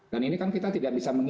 dan ini kan kita tidak bisa menghindar